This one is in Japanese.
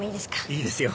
いいですよ